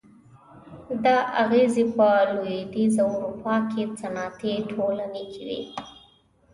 دا اغېزې په لوېدیځه اروپا کې صنعتي ټولنې کې وې.